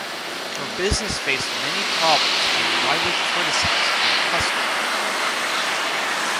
Her business faced many problems and widely criticized by customers.